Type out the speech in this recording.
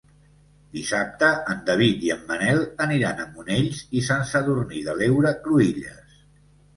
Dissabte en David i en Manel aniran a Monells i Sant Sadurní de l'Heura Cruïlles.